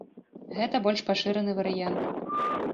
Гэта больш пашыраны варыянт.